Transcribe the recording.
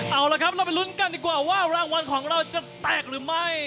เอาละครับเราไปลุ้นกันดีกว่าว่ารางวัลของเราจะแตกหรือไม่